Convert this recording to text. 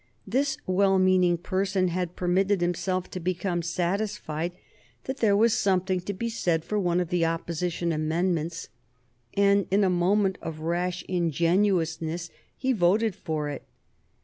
This well meaning person had permitted himself to become satisfied that there was something to be said for one of the Opposition amendments, and in a moment of rash ingenuousness he voted for it.